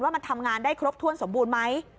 ว่ามันทำงานได้ครบถ้วนสมบูรณ์ไหม